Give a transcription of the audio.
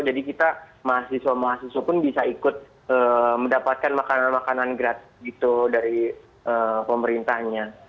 kita mahasiswa mahasiswa pun bisa ikut mendapatkan makanan makanan gratis gitu dari pemerintahnya